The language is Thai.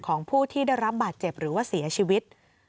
ของผู้ที่ได้รับบาดเจ็บหรือว่าเสียชีวิต